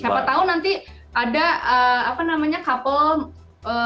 siapa tahu nanti ada apa namanya couple